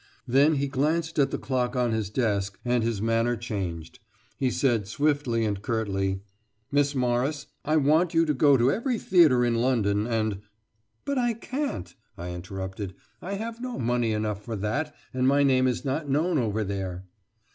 Then he glanced at the clock on his desk and his manner changed. He said swiftly and curtly: "Miss Morris, I want you to go to every theatre in London, and " "But I can't!" I interrupted, "I have not money enough for that and my name is not known over there!"